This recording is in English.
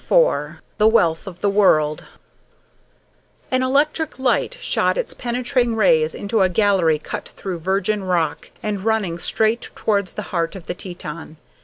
IV THE WEALTH OF THE WORLD An electric light shot its penetrating rays into a gallery cut through virgin rock and running straight towards the heart of the Teton.